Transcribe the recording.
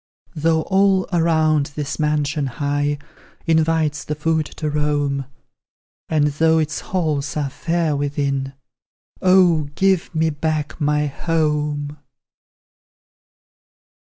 Though all around this mansion high Invites the foot to roam, And though its halls are fair within Oh, give me back my HOME!